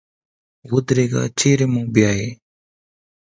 ودرېږه چېري مو بیایې ؟